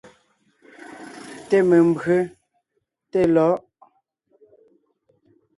Té membÿe, té lɔ̌ʼ.